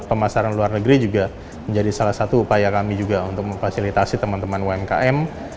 pemasaran luar negeri juga menjadi salah satu upaya kami juga untuk memfasilitasi teman teman umkm